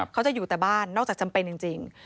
เขาจะอยู่แต่บ้านนอกจากจำเป็นจริง